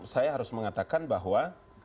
saya harus mengatakan bahwa